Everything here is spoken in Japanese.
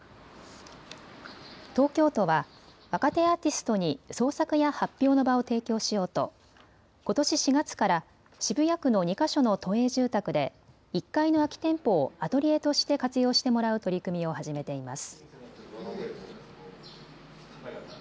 東京都は若手アーティストに創作や発表の場を提供しようとことし４月から渋谷区の２か所の都営住宅で１階の空き店舗をアトリエとして活用してもらう取り組みを始めています。